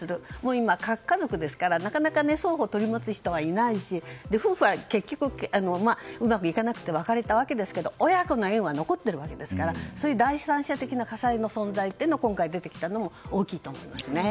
今、核家族ですからなかなか双方取り持つ人がいないし夫婦は結局、うまくいかなくて別れたわけですが親子の縁は残っていますので第三者的な家裁の存在が今回、出てきたのは大きいと思いますね。